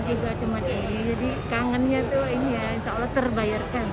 jadi kangennya tuh insya allah terbayarkan